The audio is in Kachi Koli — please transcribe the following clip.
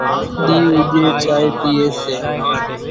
ۮِي اُوڄي چائي پيئي سي،